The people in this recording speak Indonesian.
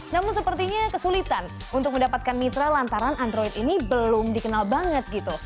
namun sepertinya kesulitan untuk mendapatkan mitra lantaran android ini belum dikenal banget gitu